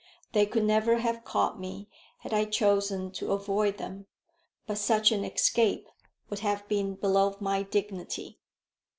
They could never have caught me had I chosen to avoid them; but such an escape would have been below my dignity.